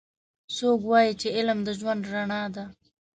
څوک وایي چې علم د ژوند رڼا ده